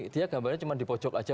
dia gambarnya cuma di pojok aja